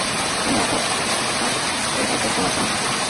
তুমি আল্লাহপাকের কাছে ক্ষমা চাও।